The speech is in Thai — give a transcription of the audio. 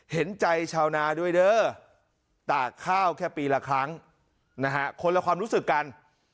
เห็นใจชาวนาด้วยเด้อตากข้าวแค่ปีละครั้งนะฮะคนละความรู้สึกกัน